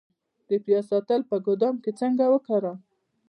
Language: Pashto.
د پیاز ساتل په ګدام کې څنګه وکړم؟